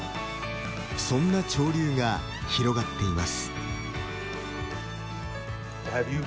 そんな潮流が広がっています。